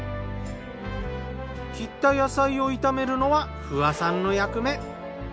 切った野菜を炒めるのは不破さんの役目。